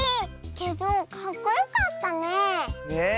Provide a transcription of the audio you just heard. けどかっこよかったねえ。ね。